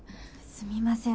すみません。